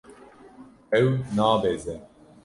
Ew nabeze.